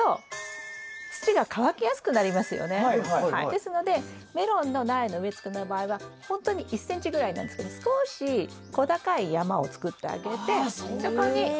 ですのでメロンの苗の植え付けの場合はほんとに１ｃｍぐらいなんですけど少し小高い山を作ってあげてそこに植え付ける。